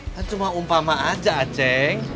kan cuma umpama aja aceh